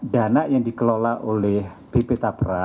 dana yang dikelola oleh bp tapera